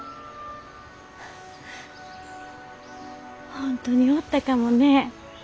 本当におったかもね。